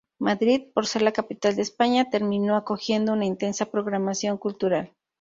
Madrid, por ser la capital de España, terminó acogiendo una intensa programación cultural.